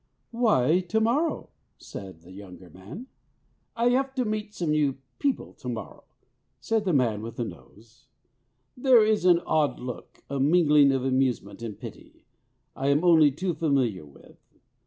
"Why, to morrow?" said the younger man. "I have to meet some new people to morrow," said the man with the nose. "There is an odd look, a mingling of amusement and pity, I am only too familiar with.